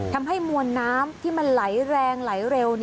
ทำให้มวลน้ำที่มันไหลแรงไหลเร็ว